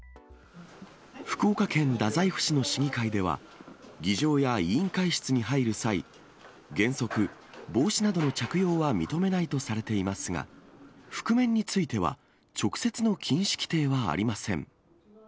福岡県太宰府市の市議会では、議場や委員会室に入る際、原則、帽子などの着用は認めないとされていますが、覆面については、直接の禁止規定はありません。